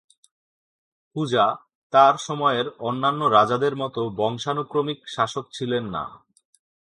কুজা তাঁর সময়ের অন্যান্য রাজাদের মতো বংশানুক্রমিক শাসক ছিলেন না।